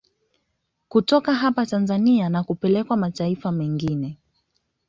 Kutoka hapa Tanzania na kupelekwa mataifa mengine